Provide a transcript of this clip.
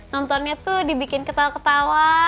nontonnya tuh dibikin ketawa ketawa